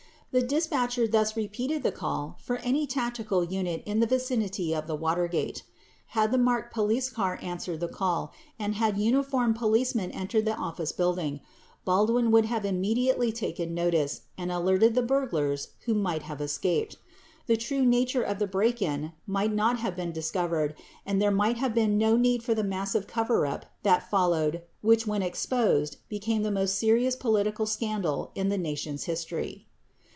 The dispatcher thus re peated the call for any tactical unit in the vicinity of the Watergate. 11 Had the marked police car answered the call and had uniformed police men entered the office building, Baldwin would have immediately taken notice and alerted the burglars who might have escaped. The true nature of the break in might not have been discovered and there might have been no need for the massive coverup that followed which, when exposed, became the most serious political scandal in the Nation's history.